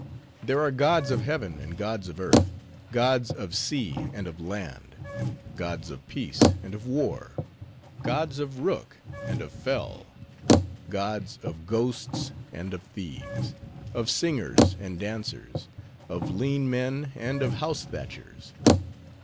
There are gods of heaven, and gods of earth; gods of sea and of land; gods of peace and of war; gods of rook and of fell; gods of ghosts and of thieves; of singers and dancers; of lean men and of house thatchers.